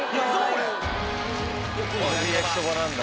これで焼きそばなんだ。